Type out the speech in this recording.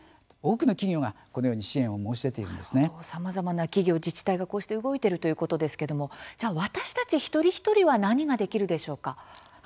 多くの企業が、このようにさまざまな企業、自治体がこうして動いているということですけれども、私たち一人一人は何ができるでしょうか。